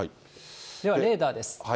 ではレーダーです。